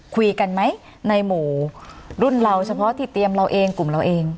คุยกันไหมในหมู่รุ่นเราเฉพาะที่เตรียมเราเองกลุ่มเราเอง